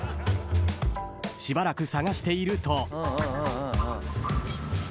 ［しばらく探していると］